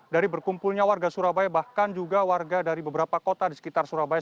dari berkumpulnya warga surabaya bahkan juga warga dari beberapa kota di sekitar surabaya